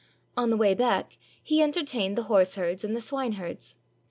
On the way back he entertained the horseherds and the swineherds.